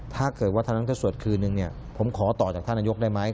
ถ้าเกิดว่าท่านนั้นถ้าสวดคืนนึงเนี่ยผมขอต่อจากท่านนายกได้ไหม